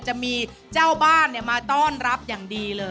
จะมีเจ้าบ้านมาต้อนรับอย่างดีเลย